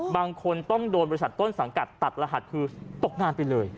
บางคนต้องโดนบริษัทต้นสังกัดตัดรหัสคือตกงานไปเลย